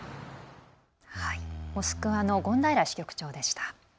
モスクワの権平支局長でした。